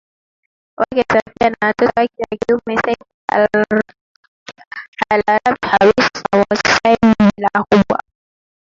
wake Safia na watoto wake wa kiume Saif alArab Khamis na Muotasim Bellah kubwa